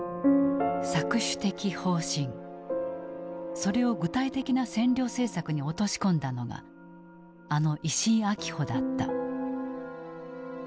それを具体的な占領政策に落とし込んだのがあの石井秋穂だった。